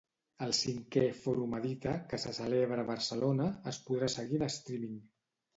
El cinquè Forum Edita, que se celebra a Barcelona, es podrà seguir en streaming.